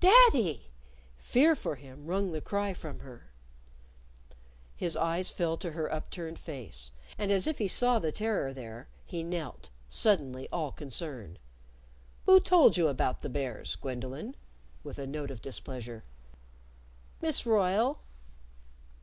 _" "Daddy!" Fear for him wrung the cry from her. His eyes fell to her upturned face. And as if he saw the terror there, he knelt, suddenly all concern. "Who told you about the bears, Gwendolyn?" with a note of displeasure. "Miss Royle."